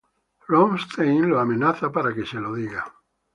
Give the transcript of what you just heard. Rothstein lo amenaza para que se lo diga.